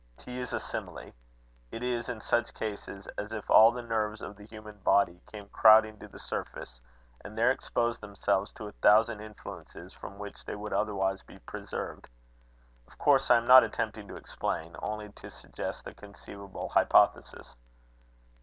To use a simile: it is, in such cases, as if all the nerves of the human body came crowding to the surface, and there exposed themselves to a thousand influences, from which they would otherwise be preserved. Of course I am not attempting to explain, only to suggest a conceivable hypothesis.